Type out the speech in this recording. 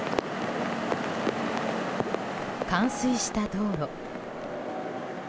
冠水した道路。